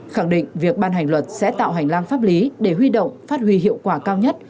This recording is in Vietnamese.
khẳng định việc ban hành luật sẽ tạo hành lang pháp lý để huy động phát huy hiệu quả cao nhất